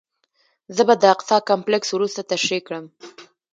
زه به د اقصی کمپلکس وروسته تشریح کړم.